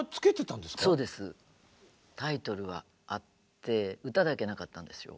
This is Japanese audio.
タイトルはあって歌だけなかったんですよ。